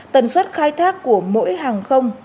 tần suất khai thác của mỗi hàng không